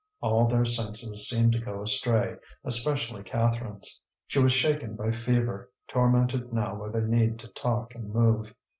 All their senses seemed to go astray, especially Catherine's. She was shaken by fever, tormented now by the need to talk and move.